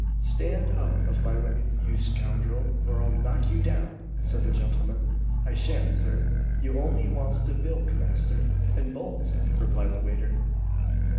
"Stand out of my way, you scoundrel! or I'll knock you down!" said the gentleman. "I shan't, sir; you only wants to bilk master, and bolt," replied the waiter.